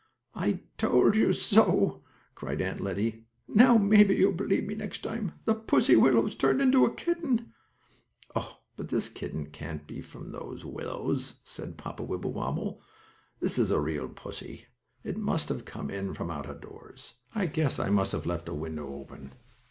"I told you so!" cried Aunt Lettie. "Now, maybe you'll believe me next time. The pussy willows turned into a kitten." "Oh, but this kitten can't be from those willows," said Papa Wibblewobble. "This is a real pussy. It must have come in from out of doors. I guess I must have left a window open."